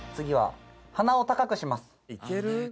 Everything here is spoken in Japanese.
「いける？」